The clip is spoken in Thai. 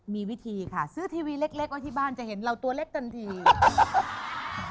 มีวิธีค่ะซื้อทีวีเล็กไว้ที่บ้านจะเห็นเราตัวเล็กทันที